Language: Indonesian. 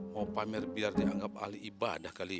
mau pamer biar dianggap ahli ibadah kali